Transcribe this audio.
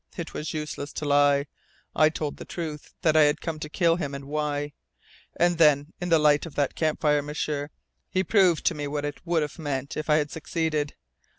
It was useless to lie. I told the truth that I had come to kill him, and why. And then in the light of that campfire, M'sieur he proved to me what it would have meant if I had succeeded.